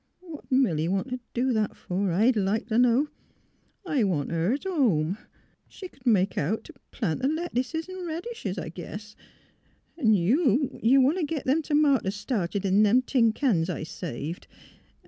What'd Milly want t' do that fer, I'd like t' know? I want her t' hum. She c'd make out t* plant th' lettuce an' reddishes, I guess. 'N' you want t' git th' t'matoes started in them tin cans I saved.